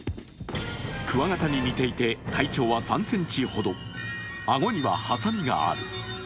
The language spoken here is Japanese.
クワガタに似ていて体長は３ｃｍほど顎にははさみがある。